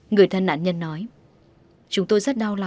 người thân nạn nhân nói